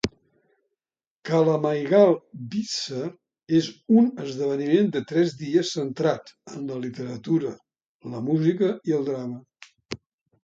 Kalaimagal Vizha és un esdeveniment de tres dies centrat en la literatura, la música i el drama.